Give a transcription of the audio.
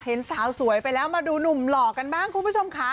สาวสวยไปแล้วมาดูหนุ่มหล่อกันบ้างคุณผู้ชมค่ะ